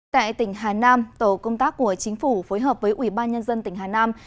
tại tỉnh hà nam tổ công tác của chính phủ phối hợp với ủy ban nhân dân tỉnh hà nam